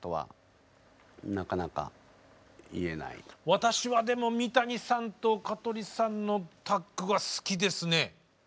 私はでも三谷さんと香取さんのタッグが好きですね。